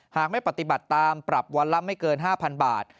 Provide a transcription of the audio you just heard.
หากไม่ปฏิบัติตามปรับวันละไม่เกิน๕๐๐๐บาท